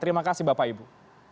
terima kasih bapak ibu